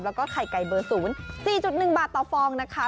แล้วก็ไข่ไก่เบอร์๐๔๑บาทต่อฟองนะคะ